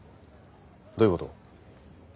どういうこと？